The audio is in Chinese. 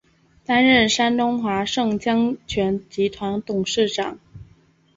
担任山东华盛江泉集团董事长。